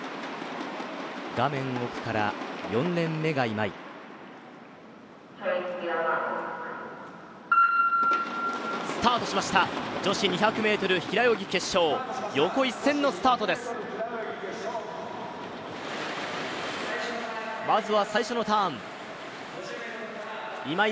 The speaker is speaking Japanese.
画面奥から４レーン目が今井ｔａｋｅｙｏｕｒｍａｒｋｓスタートしました女子２００ｍ平泳ぎ決勝横一線のスタートですまずは最初のターン今井